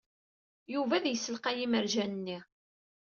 Yuba ur yessalqey imerjan-nni.